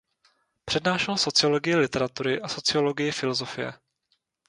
Přednášel sociologii literatury a sociologii filosofie.